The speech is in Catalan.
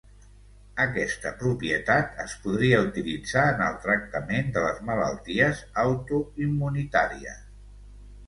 Aquesta propietat es podria utilitzar en el tractament de les malalties autoimmunitàries.